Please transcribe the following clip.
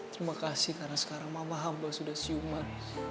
terima kasih karena sekarang mama hamba sudah sium pak